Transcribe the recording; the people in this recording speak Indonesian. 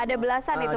ada belasan itu